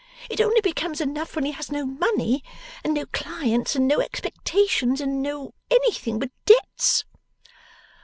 It only becomes enough when he has no money, and no clients, and no expectations, and no anything but debts.